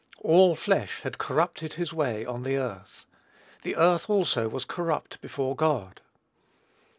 "All flesh had corrupted his way on the earth." "The earth also was corrupt before God."